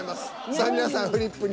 さあ皆さんフリップに。